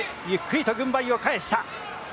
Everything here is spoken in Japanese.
ゆっくりと軍配を返した。